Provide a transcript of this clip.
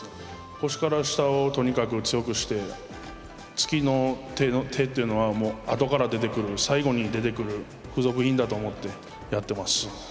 腰から下をとにかく強くして突きの手っていうのはもうあとから出てくる最後に出てくる付属品だと思ってやってます。